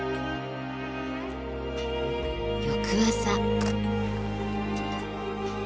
翌朝。